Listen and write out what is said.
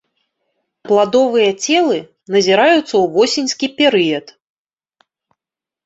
Пладовыя целы назіраюцца ў восеньскі перыяд.